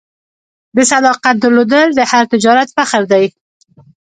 د صداقت درلودل د هر تجارت فخر دی.